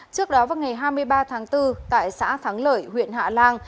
trước đó vào ngày hai mươi ba tháng bốn tại xã thắng lợi huyện hạ lan